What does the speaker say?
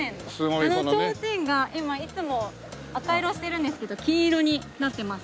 あのちょうちんがいつも赤色してるんですけど金色になってます。